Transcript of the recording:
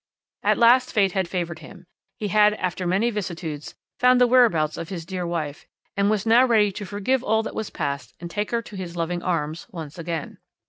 At last fate had favoured him. He had, after many vicissitudes, found the whereabouts of his dear wife, and was now ready to forgive all that was past and take her to his loving arms once again.